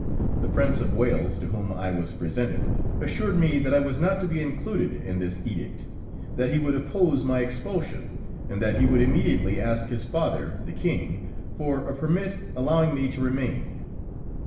The Prince of Wales, to whom I was presented, assured me that I was not to be included in this edict, that he would oppose my expulsion, and that he would immediately ask his father, the King, for a permit allowing me to remain.